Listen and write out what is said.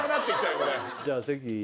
じゃあ席に。